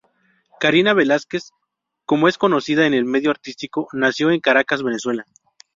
Karina Velásquez, como es conocida en el medio artístico, nació en Caracas, Venezuela.